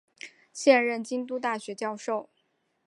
现任京都大学教授。